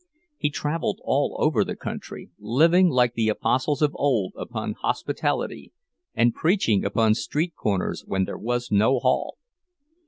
He traveled all over the country, living like the apostles of old, upon hospitality, and preaching upon street corners when there was no hall.